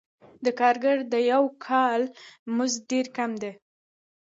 د کارګر د یوه کال مزد ډېر کم دی